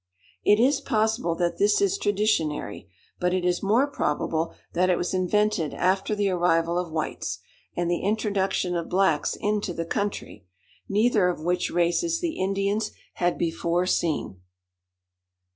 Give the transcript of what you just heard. '" It is possible that this is traditionary, but it is more probable that it was invented after the arrival of whites, and the introduction of blacks into the country, neither of which races the Indians had before seen.